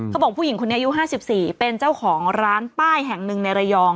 ผู้หญิงคนนี้อายุ๕๔เป็นเจ้าของร้านป้ายแห่งหนึ่งในระยอง